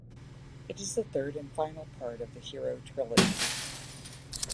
It is the third and final part of the "Hero Trilogy".